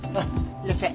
いらっしゃい。